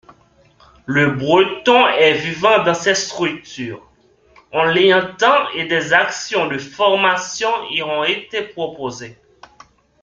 Le breton est vivant dans ces structures, on l’y entend et des actions de formation y ont été proposées.